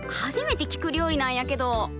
初めて聞く料理なんやけど。